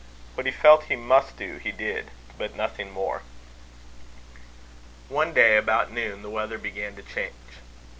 What he felt he must do he did; but nothing more. One day, about noon, the weather began to change.